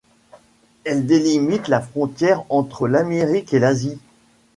Elle délimite la frontière entre l'Amérique et l'Asie.